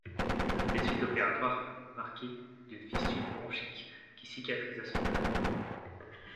Les suites opératoires furent marquées d'une fistule bronchique qui cicatrisa spontanément.